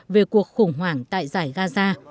về cuộc khủng hoảng tại giải gaza